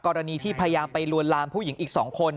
กรณีที่พยายามไปลวนลามผู้หญิงอีก๒คน